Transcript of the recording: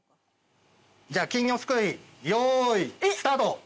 じゃあ金魚すくいよいスタート！